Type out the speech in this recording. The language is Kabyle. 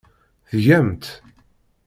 Tgam-tt!